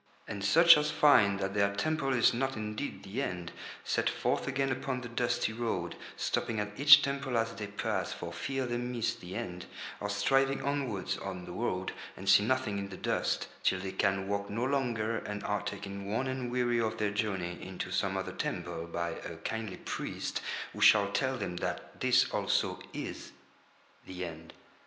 And such as find that their temple is not indeed the End set forth again upon the dusty road, stopping at each temple as they pass for fear they miss the End, or striving onwards on the road, and see nothing in the dust, till they can walk no longer and are taken worn and weary of their journey into some other temple by a kindly priest who shall tell them that this also is the End.